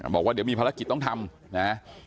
บอกว่าเดี๋ยวมีภารกิจต้องทำนะ